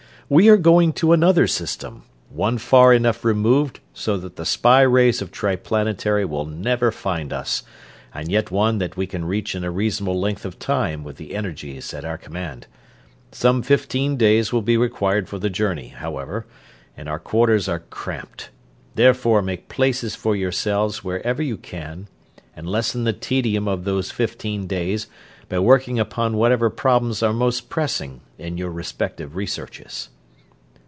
We are going to another system; one far enough removed so that the spy rays of Triplanetary will never find us, and yet one that we can reach in a reasonable length of time with the energies at our command. Some fifteen days will be required for the journey, however, and our quarters are cramped. Therefore make places for yourselves wherever you can, and lessen the tedium of those fifteen days by working upon whatever problems are most pressing in your respective researches."